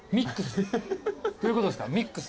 どういうことっすか？